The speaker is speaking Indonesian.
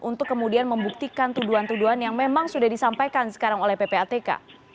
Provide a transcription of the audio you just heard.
untuk kemudian membuktikan tuduhan tuduhan yang memang sudah disampaikan sekarang oleh ppatk